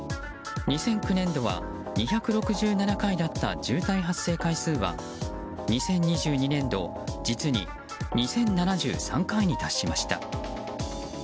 ２００９年度は２６７回だった渋滞発生回数は２０２２年度実に２０７３回に達しました。